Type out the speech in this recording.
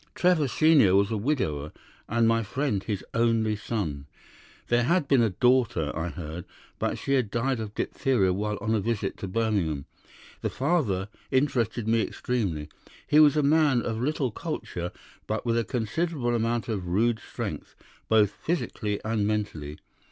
"Trevor senior was a widower, and my friend his only son. "There had been a daughter, I heard, but she had died of diphtheria while on a visit to Birmingham. The father interested me extremely. He was a man of little culture, but with a considerable amount of rude strength, both physically and mentally.